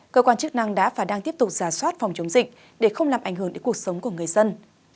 cơ quan chức năng đã và đang tiếp tục giả soát phòng chống dịch để không làm ảnh hưởng đến cuộc sống của người dân